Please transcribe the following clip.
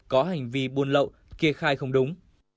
có hành vi buôn lậu kia khai không đúng